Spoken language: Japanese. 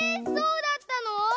そうだったの？